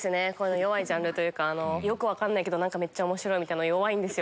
弱いジャンルというかよく分かんないけど何かめっちゃ面白いみたいの弱いんですよ。